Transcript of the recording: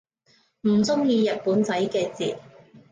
唔中意日本仔啲字